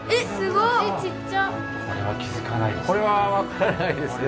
これは気付かないですね。